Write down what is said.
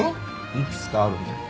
幾つかあるんだよ。